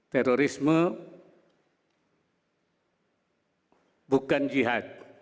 terorisme bukan jihad